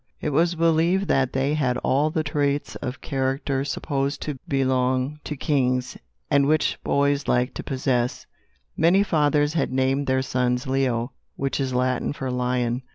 It was believed that they had all the traits of character supposed to belong to kings, and which boys like to possess. Many fathers had named their sons Leo, which is Latin for lion.